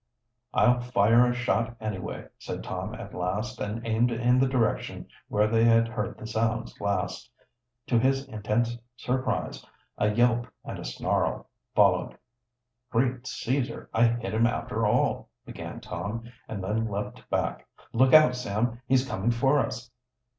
"I'll fire a shot, anyway," said Tom at last, and aimed in the direction where they had heard the sounds last. To his intense surprise a yelp and a snarl followed. "Great Caesar! I hit him after all," began Tom, and then leaped back. "Look out, Sam, he's coming for us!"